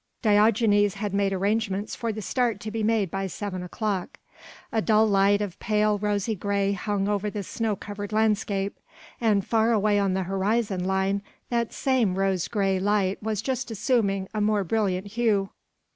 Diogenes had made arrangements for the start to be made by seven o'clock. A dull light of pale rosy grey hung over the snow covered landscape, and far away on the horizon line that same rose grey light was just assuming a more brilliant hue.